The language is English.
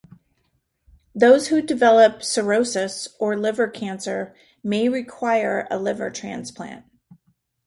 Those who develop cirrhosis or liver cancer may require a liver transplant.